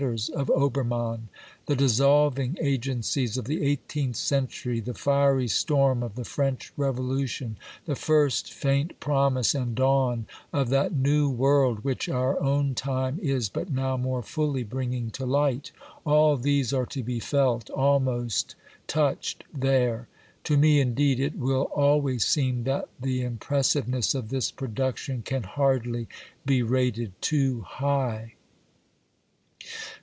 ^x%oi Obermann ; the dissolving agencies of the eighteenth century, the fiery storm of the French Revolution, the first faint promise and dawn of that new world which our own time is but now more fully bringing to light — all these are to be felt, almost touched, there. To me, indeed, it will always seem that the impressiveness of this production can hardly be rated too high."